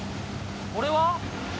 これは？